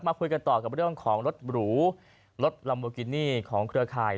คุยกันต่อกับเรื่องของรถหรูรถลัมโบกินี่ของเครือข่าย